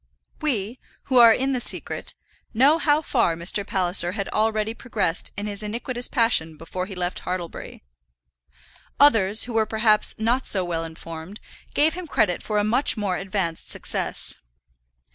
We, who are in the secret, know how far Mr. Palliser had already progressed in his iniquitous passion before he left Hartlebury. Others, who were perhaps not so well informed, gave him credit for a much more advanced success.